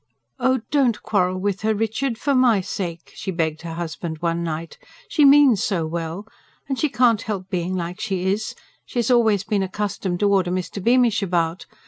"Oh, DON'T quarrel with her, Richard, for my sake," she begged her husband one night. "She means so well. And she can't help being like she is she has always been accustomed to order Mr. Beamish about.